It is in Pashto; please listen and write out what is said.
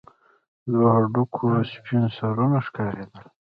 د دوو هډوکو سپين سرونه ښكارېدل.